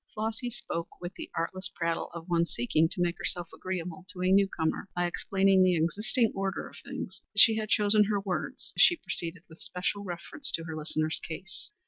Flossy spoke with the artless prattle of one seeking to make herself agreeable to a new comer by explaining the existing order of things, but she had chosen her words as she proceeded with special reference to her listener's case.